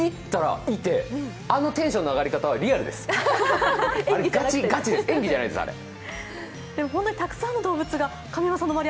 あのテンションの上がり方はリアルです、ガチです、演技じゃないです、あれ。